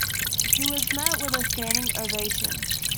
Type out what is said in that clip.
He was met with a standing ovation.